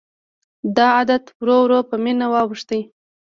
دا عادت ورو ورو په مینه واوښت.